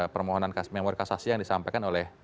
permohonan memori kasasi yang disampaikan oleh